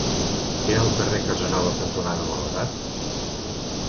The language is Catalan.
Què hi ha al carrer Casanova cantonada Malgrat?